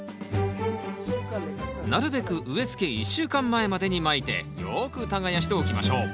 なるべく植えつけ１週間前までにまいてよく耕しておきましょう。